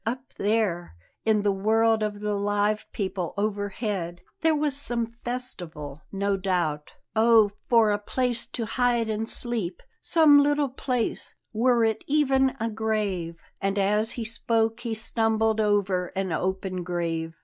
Up there, in the world of the live people overhead, there was some festival, no doubt. Oh, for a place to hide and sleep; some little place, were it even a grave! And as he spoke he stumbled over an open grave.